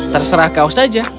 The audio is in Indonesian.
terserah kau saja